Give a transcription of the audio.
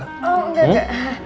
oh enggak enggak